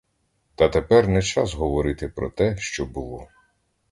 Та тепер не час говорити про те, що було.